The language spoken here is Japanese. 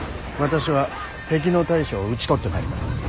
私は敵の大将を討ち取ってまいります。